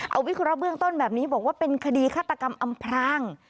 เอาวิเคราะห์เบื้องต้นแบบนี้บอกว่าเป็นคดีฆาตกรรมอำพราง